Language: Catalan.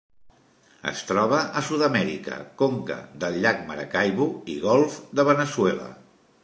Es troba a Sud-amèrica: conca del llac Maracaibo i Golf de Veneçuela.